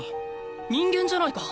人間じゃないか！